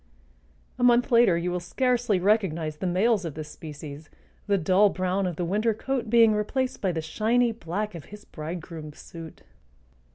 A month later you will scarcely recognize the males of this species, the dull brown of the winter coat being replaced by the shiny black of his bridegroom's suit.